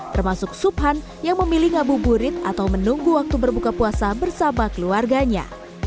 termasuk subhan yang memilih ngabuburit atau menunggu waktu berbuka puasa bersama keluarganya